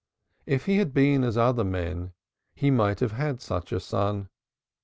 If he had been as other men he might have had such a son.